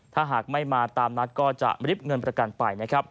ถ้าหากไม่มาตามนัดก็จะริบเงินประกันไปนะครับ